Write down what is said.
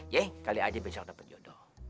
yeh kali aja besok dapat jodoh